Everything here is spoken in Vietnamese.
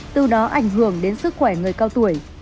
từ đó ảnh hưởng đến sức khỏe người cao tuổi